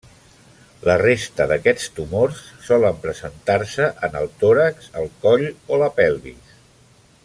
La resta d’aquests tumors solen presentar-se en el tòrax, el coll o la pelvis.